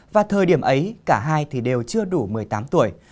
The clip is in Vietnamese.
và thời điểm ấy cả hai thì đều chưa đủ một mươi tám tuổi